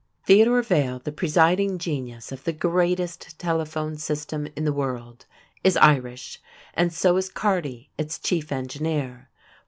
Theodore Vail, the presiding genius of the greatest telephone system in the world, is Irish, and so is Carty, its chief engineer.